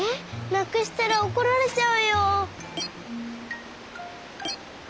なくしたらおこられちゃうよ！